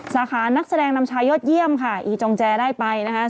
สาขานักแสดงนำชายยอดเยี่ยมค่ะอีจองแจได้ไปนะคะ